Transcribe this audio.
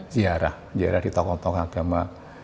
ziarah ziarah di tokoh tokoh agama